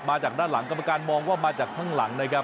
มาจากด้านหลังกรรมการมองว่ามาจากข้างหลังนะครับ